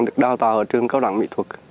được đào tạo ở trường cao đẳng mỹ thuật